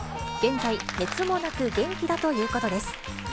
現在、熱もなく、元気だということです。